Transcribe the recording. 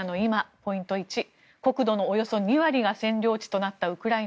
ポイント１、国土のおよそ２割が占領地となったウクライナ。